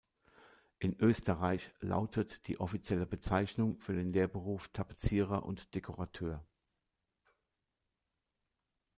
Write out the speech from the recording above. In Österreich lautet die offizielle Bezeichnung für den Lehrberuf "Tapezierer und Dekorateur".